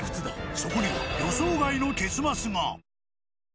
そこには予想外の結末が。